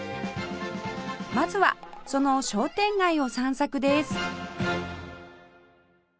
まずはその商店街を散策です